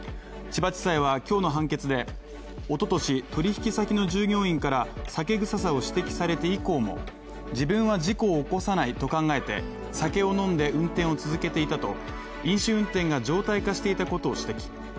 千葉地裁は今日の判決でおととし、取引先の従業員から酒臭さを指摘されて以降も自分は事故を起こさないと考えて酒を飲んで運転を続けていたと飲酒運転が常態化していたことを指摘。